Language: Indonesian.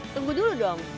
tunggu dulu dong